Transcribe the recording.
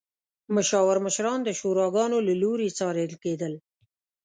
مشاور مشران د شوراګانو له لوري څارل کېدل.